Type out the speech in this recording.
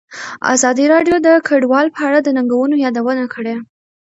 ازادي راډیو د کډوال په اړه د ننګونو یادونه کړې.